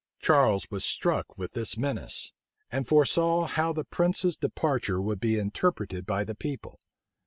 Charles was struck with this menace, and foresaw how the prince's departure would be interpreted by the people.